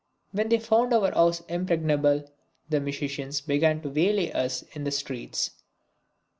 When they found our house impregnable, the musicians began to waylay us in the streets.